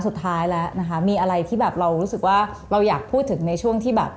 สุดท้ายแล้วนะคะมีอะไรที่แบบเรารู้สึกว่าเราอยากพูดถึงในช่วงที่แบบ